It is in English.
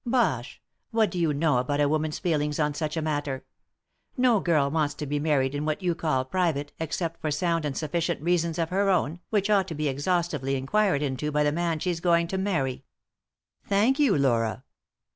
''" Bosh I What do you know about a woman's feel ings on such a matter ? No girl wants to be married in what you call private except for sound and sufficient reasons of her own, which ought to be exhaustively inquired into by the man she's going to marry." "Thank you, Laura."